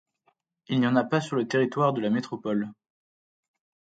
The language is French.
Il n'y en a pas sur le territoire de la métropole.